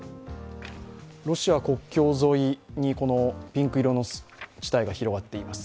ロシア国境沿いにピンク色の地帯が広がっています。